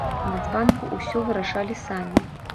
Нацбанку ўсё вырашалі самі.